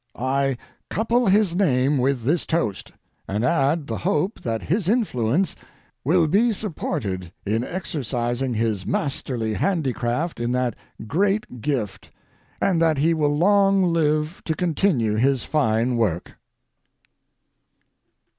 I couple his name with this toast, and add the hope that his influence will be supported in exercising his masterly handicraft in that great gift, and that he will long live to continue his fine work.